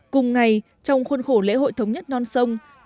cùng ngày trong khuôn khổ lễ hội thống nhất non sông